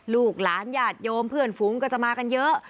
ลูกหลานญาติโยมเพื่อนฝูงก็จะมากันเยอะ